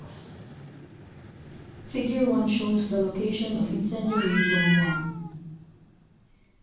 45 Figure 1 shows the location of Incendiary Zone 1. 3.